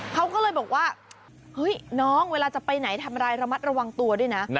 เขาก็เลยบอกว่าเฮ้ยน้องเวลาจะไปไหนทำอะไรระมัดระวังตัวด้วยนะ